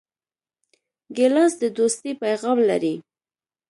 ګیلاس د دوستۍ پیغام لري.